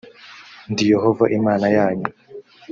ndi yehova imana yanyu